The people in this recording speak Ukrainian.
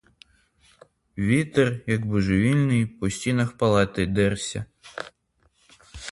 Вітер, як божевільний, по стінах палати дерся.